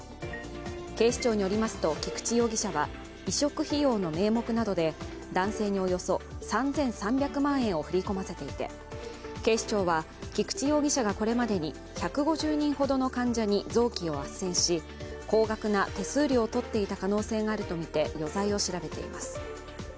警視庁によりますと、菊池容疑者は移植費用の名目などで男性におよそ３３００万円を振り込ませていて警視庁は菊池容疑者がこれまでに１５０人ほどの患者に臓器をあっせんし、高額な手数料を取っていた可能性があるとみて、余罪を調べています。